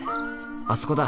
あそこだ。